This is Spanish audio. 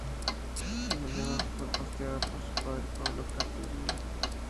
La leva fue costeada por su padre Pablo de Castellví.